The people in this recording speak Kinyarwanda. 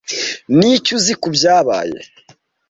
Niki uzi ku byabaye?